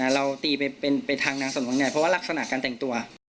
เราตีไปทางนางสำนุนใหญ่เพราะว่ารักษณะการแต่งตัว